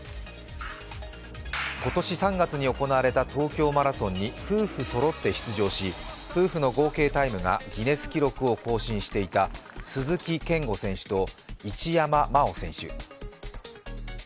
今年３月に行われた東京マラソンに夫婦そろって出場し、夫婦の合計タイムがギネス記録を更新していた鈴木健吾選手と一山麻緒選手。